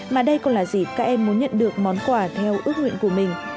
mà đây còn là dịp các em muốn nhận được món quà theo ước nguyện của mình